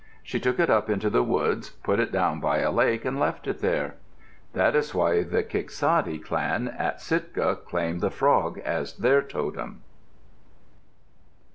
She took it up into the woods, put it down by a lake, and left it there. That is why the Kiksadi clan at Sitka claim the frog as their totem.